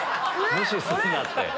無視すんなって。